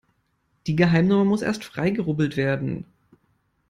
Die Geheimnummer muss erst freigerubbelt werden.